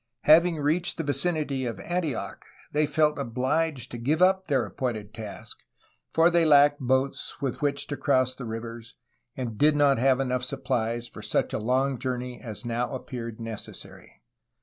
Having reached the vicinity of Antioch, they felt obliged to give up their appointed task, for they lacked boats with which to cross the rivers and did not have enough sup plies for such a long journey as now appeared necessary.